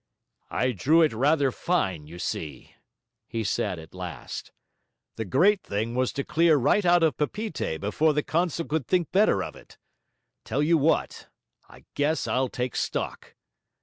'I drew it rather fine, you see,' he said at last. 'The great thing was to clear right out of Papeete before the consul could think better of it. Tell you what: I guess I'll take stock.'